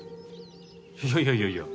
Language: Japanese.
いやいやいやいや